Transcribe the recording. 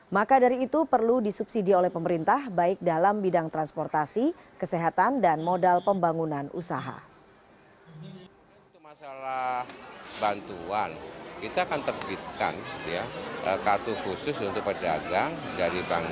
maka dari itu perlu disubsidi oleh pemerintah baik dalam bidang transportasi kesehatan dan modal pembangunan usaha